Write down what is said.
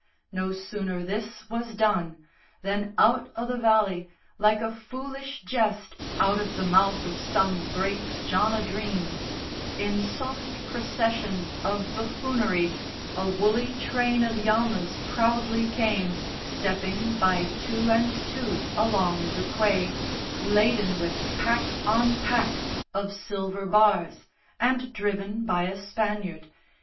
No sooner this was done Than out o' the valley, like a foolish jest Out of the mouth of some great John a dreams, In soft procession of buffoonery A woolly train of llamas proudly came Stepping by two and two along the quay, Laden with pack on pack of silver bars And driven by a Spaniard.